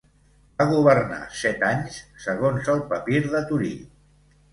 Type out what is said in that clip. Va governar set anys segons el papir de Torí.